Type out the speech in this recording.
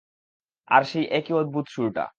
আর সেই একই অদ্ভুত সূরটা।